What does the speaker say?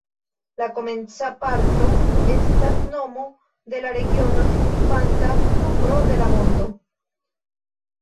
La komenca parto estas nomo de la regiono, signifanta supro de la monto.